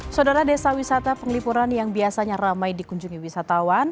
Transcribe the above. saudara desa wisata penglipuran yang biasanya ramai dikunjungi wisatawan